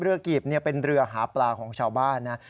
กีบเป็นเรือหาปลาของชาวบ้านนะ